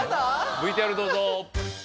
ＶＴＲどうぞ。